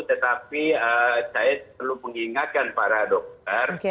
tetapi saya perlu mengingatkan para dokter